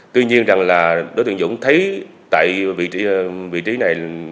tuy nhiên rằng là đối tượng dũng thấy tại vị trí này